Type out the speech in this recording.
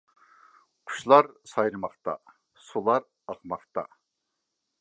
قۇشلار سايرىماقتا. سۇلار ئاقماقتا.